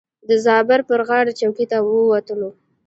د زابر پر غاړه چوک ته ووتلو.